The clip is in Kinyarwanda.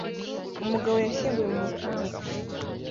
Umugabo yashyinguwe mu mucanga